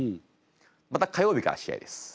また火曜日から試合です。